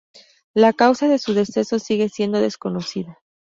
La causa de su deceso sigue siendo desconocida.